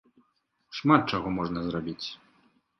Шмат чаго можна зрабіць.